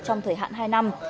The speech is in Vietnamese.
trong thời hạn hai năm